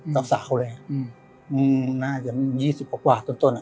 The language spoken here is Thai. กับสาวแหละอืมน่าจะมียี่สิบกว่าต้นต้นอ่ะ